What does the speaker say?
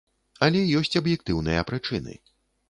Але ёсць аб'ектыўныя прычыны.